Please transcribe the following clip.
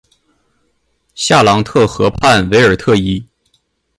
夏朗特河畔韦尔特伊。